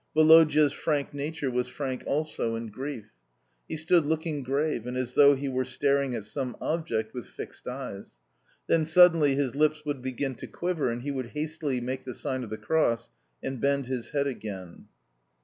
Woloda's frank nature was frank also in grief. He stood looking grave and as though he were staring at some object with fixed eyes. Then suddenly his lips would begin to quiver, and he would hastily make the sign of the cross, and bend his head again.